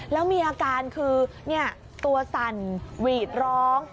แล้วมีอาการคือตัวสั่นหวีดร้อง